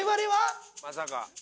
まさか。